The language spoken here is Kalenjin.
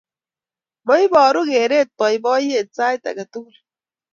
Maibaruu kereet boiboiyet sait agetugul